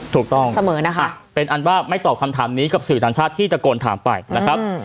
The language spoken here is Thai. เสมอนะคะเป็นอันว่าไม่ตอบคำถามนี้กับสื่อต่างชาติที่ตะโกนถามไปนะครับ